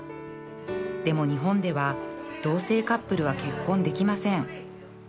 でも日本では同性カップルは結婚できません